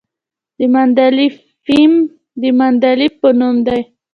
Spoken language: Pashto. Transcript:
د مندلیفیم د مندلیف په نوم دی.